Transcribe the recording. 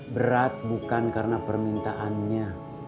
berat bukan karena permintaannya